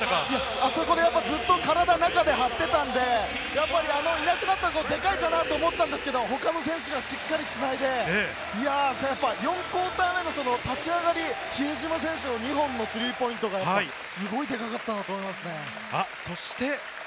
あそこで体を張っていたので、いなくなったのはでかいかなと思ったんですが、他の選手がしっかりつないで、４クオーター目の立ち上がり、比江島選手の２本のスリーポイントがすごくでかかったなと思いますね。